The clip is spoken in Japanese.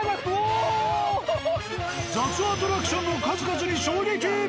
雑アトラクションの数々に衝撃！